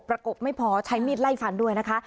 กบไม่พอใช้มีดไล่ฟันด้วยนะคะ